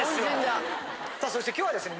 さあそして今日はですね